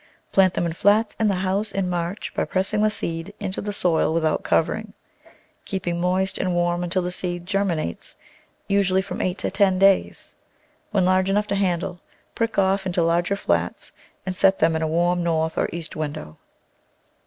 Plant them in flats in the house in March by pressing the seed into the soil without covering; keeping moist and warm until the seed germinates, usually from eight to ten days. When large enough to handle, prick off into larger flats and set them in a warm north or east window.